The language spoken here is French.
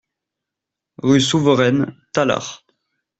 Rue Souveraine, Tallard